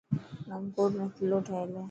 نئونڪوٽ ۾ ڪلو ٺهيل هي.